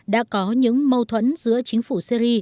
đã có những mâu thuẫn giữa chính phủ syri